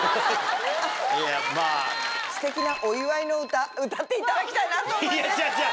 ステキなお祝いの歌歌っていただきたいなと思いまして。